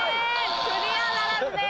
クリアならずです。